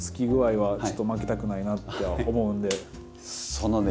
そのね